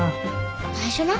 内緒な。